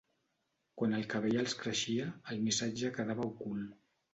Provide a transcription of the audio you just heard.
Quan el cabell els creixia, el missatge quedava ocult.